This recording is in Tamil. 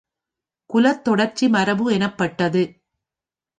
குலத்தொடர்ச்சி மரபு எனப்பட்டது.